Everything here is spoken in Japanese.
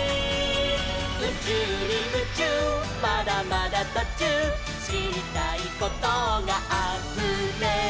「うちゅうにムチューまだまだとちゅう」「しりたいことがあふれる」